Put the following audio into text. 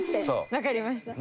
わかりました。